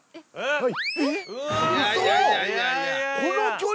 はい。